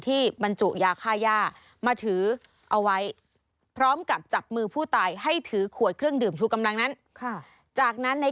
ที่บรรจุยาค่าย่ามาถือเอาไว้